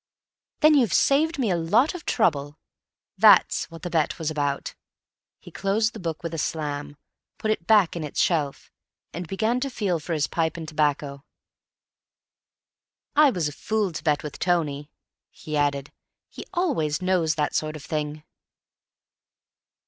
"Then you've saved me a lot of trouble. That's what the bet was about." He closed the book with a slam, put it back in its shelf, and began to feel for his pipe and tobacco. "I was a fool to bet with Tony," he added. "He always knows that sort of thing."